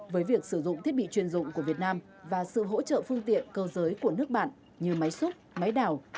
với việc sử dụng thiết bị chuyên dụng của việt nam và sự hỗ trợ phương tiện cơ giới của nước bạn như máy xúc máy đảo